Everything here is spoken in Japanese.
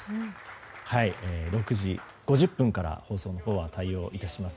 ６時５０分から放送のほうは対応いたします。